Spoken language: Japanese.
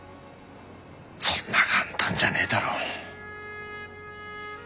そんな簡単じゃねえだろ。